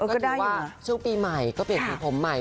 ก็ถือว่าช่วงปีใหม่ก็เปลี่ยนสีผมใหม่